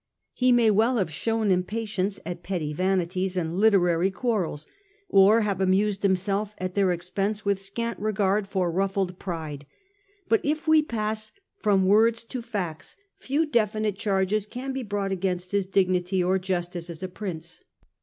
^ He may well have shown impatience at petty vanities and literary quarrels, or have amused himself at their expense with scant regard for ruffled pride ; but if we pass from words to facts few definite charges can be brought against his dignity or justice as a prince.